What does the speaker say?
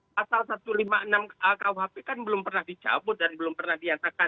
pasal satu ratus lima puluh enam a kuhp kan belum pernah dicabut dan belum pernah diatakan